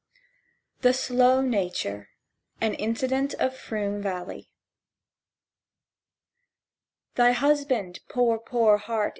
THE SLOW NATURE (AN INCIDENT OF FROOM VALLEY) "THY husband—poor, poor Heart!